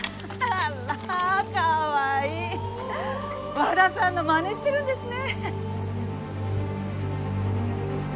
和田さんのまねしてるんですね。